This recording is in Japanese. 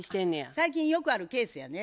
最近よくあるケースやね。